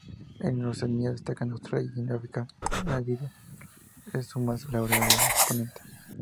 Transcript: En Oceanía, destaca Australia, y en África, Namibia es su más laureado exponente.